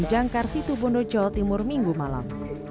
penumpang menginap di pelabuhan jankar situ bondo jawa timur minggu malam